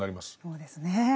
そうですね。